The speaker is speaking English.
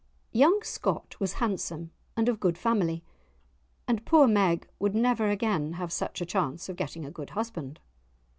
Young Scott was handsome and of good family, and poor Meg would never again have such a chance of getting a good husband.